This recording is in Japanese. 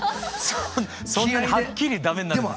そんなにはっきり駄目になるんですね。